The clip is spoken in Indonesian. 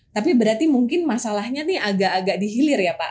tapi berarti mungkin masalahnya ini agak agak dihilir ya pak